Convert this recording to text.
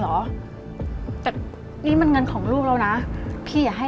เหรอแต่นี่มันเงินของลูกเรานะพี่อย่าให้